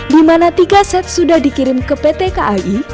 dimana tiga set sudah dikirim ke pt kai